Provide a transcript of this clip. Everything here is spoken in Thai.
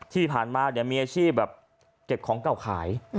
ที่ผ่านมามีอาชีพแบบเก็บของเก่าขาย